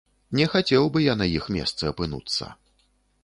Не хацеў бы я на іх месцы апынуцца.